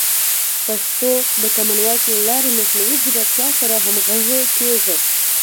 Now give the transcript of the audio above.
پښتو د کامن وایس له لارې د مصنوعي ځیرکتیا سره همغږي کیږي.